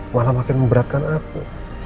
malah makin memberatkan aku